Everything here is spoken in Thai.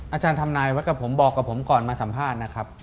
อาจารย์ทำนายไว้กับผมบอกกับผมก่อนมาสัมภาษณ์นะครับ